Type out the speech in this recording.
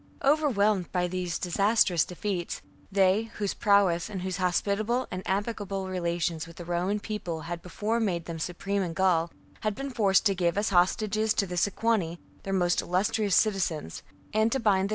^ Overwhelmed by these dis astrous defeats, they, whose prowess and whose hospitable and amicable relations with the Roman People had before made them supreme in Gaul, had been forced to give as hostages to the Sequani their most illustrious citizens, and to bind the 28 CAMPAIGNS AGAINST THE book 58 B.C.